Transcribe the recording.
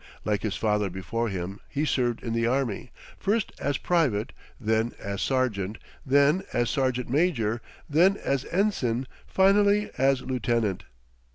Like his father before him, he served in the army, first as private, then as sergeant, then as sergeant major, then as ensign, finally as lieutenant.